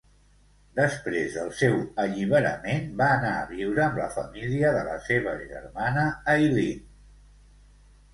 Després del seu alliberament, va anar a viure amb la família de la seva germana Eileen.